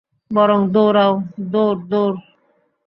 বরং দৌড়াও, দৌড়, দৌড়!